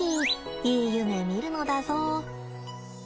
いい夢見るのだぞ。